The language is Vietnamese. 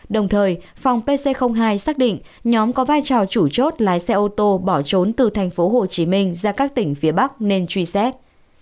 đồng thời phòng pc hai xác định nhóm có vai trò chủ chốt lái xe ô tô bỏ trốn từ thành phố hồ chí minh ra các tỉnh phía bắc nên truy xét